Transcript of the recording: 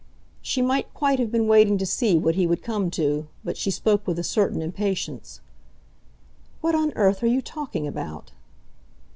She might quite have been waiting to see what he would come to, but she spoke with a certain impatience. "What on earth are you talking about?"